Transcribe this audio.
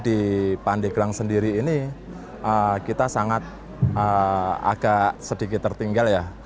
di pandeglang sendiri ini kita sangat agak sedikit tertinggal ya